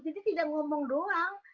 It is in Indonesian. jadi tidak ngomong doang